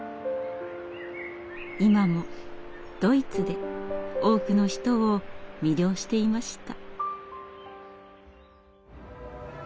今もドイツで多くの人を魅了していました。